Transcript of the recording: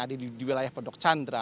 ada di wilayah pondok chandra